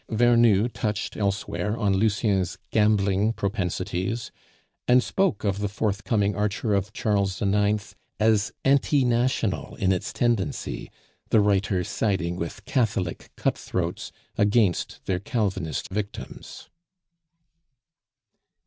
Vernou touched elsewhere on Lucien's gambling propensities, and spoke of the forthcoming Archer of Charles IX. as "anti national" in its tendency, the writer siding with Catholic cut throats against their Calvinist victims.